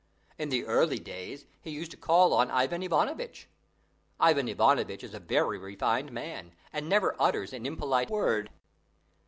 In early days he used to call on Ivan Ivanovitch. Ivan Ivanovitch is a very refined man, and never utters an impolite word.